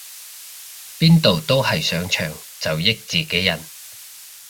邊度都係上場就益自己人